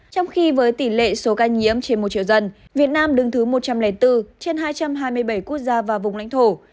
trong khi với tỷ lệ số ca nhiễm trên một triệu dân việt nam đứng thứ một trăm linh bốn trên hai trăm hai mươi bảy quốc gia và vùng lãnh thổ